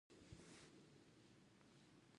د لرګیو فابریکې د سیندونو په غاړه وې.